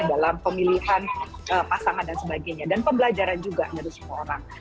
dalam pemilihan pasangan dan sebagainya dan pembelajaran juga dari semua orang